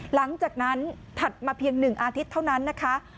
หลังจากนั้นถัดมาเพียง๑อาทิตย์เท่านั้นนะคะ